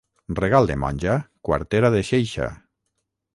Regal de monja, quartera de xeixa.